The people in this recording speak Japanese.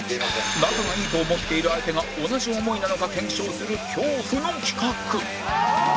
仲がいいと思っている相手が同じ思いなのか検証する恐怖の企画